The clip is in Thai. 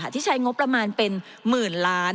ที่ใช้งบประมาณเป็นหมื่นล้าน